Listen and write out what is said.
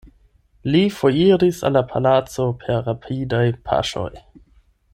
Li foriris al la palaco per rapidaj paŝoj.